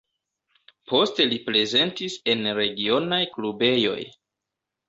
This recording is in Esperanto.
Poste li prezentis en regionaj klubejoj.